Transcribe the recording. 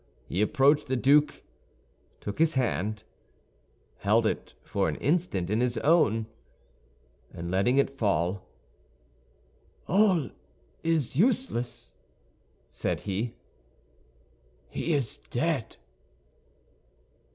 He approached the duke, took his hand, held it for an instant in his own, and letting it fall, "All is useless," said he, "he is dead."